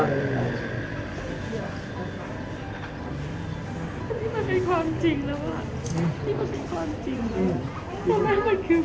อันนี้มันเป็นความจริงแล้วอ่ะนี่มันเป็นความจริงเลย